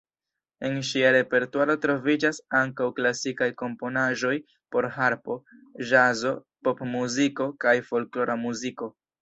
En ŝia repertuaro troviĝas ankaŭ klasikaj komponaĵoj por harpo, ĵazo, popmuziko kaj folklora muziko.